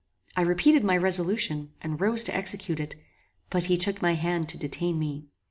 I repeated my resolution, and rose to execute it; but he took my hand to detain me.